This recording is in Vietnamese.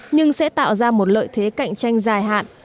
nhưng sẽ tạo ra một lợi thế cạnh tranh dài hạn